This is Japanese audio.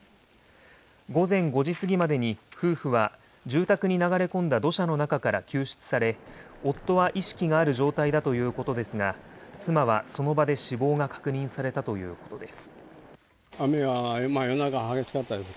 午前５時過ぎまでに夫婦は住宅に流れ込んだ土砂の中から救出され、夫は意識がある状態だということですが、妻はその場で死亡が確認されたということです。